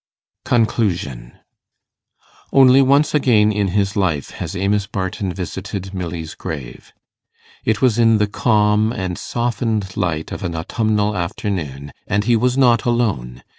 CONCLUSION Only once again in his life has Amos Barton visited Milly's grave. It was in the calm and softened light of an autumnal afternoon, and he was not alone.